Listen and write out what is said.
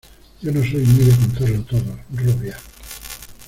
yo no soy muy de contarlo todo, rubia.